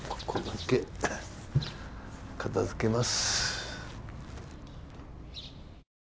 片づけます。